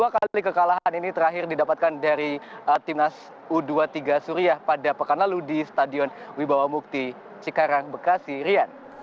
dua kali kekalahan ini terakhir didapatkan dari timnas u dua puluh tiga suriah pada pekan lalu di stadion wibawa mukti cikarang bekasi rian